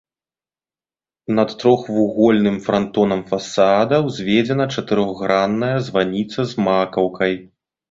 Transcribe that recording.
Над трохвугольным франтонам фасада ўзведзена чатырохгранная званіца з макаўкай.